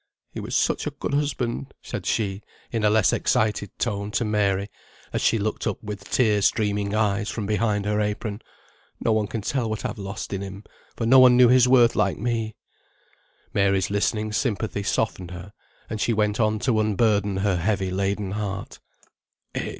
"He was such a good husband," said she, in a less excited tone, to Mary, as she looked up with tear streaming eyes from behind her apron. "No one can tell what I've lost in him, for no one knew his worth like me." Mary's listening sympathy softened her, and she went on to unburden her heavy laden heart.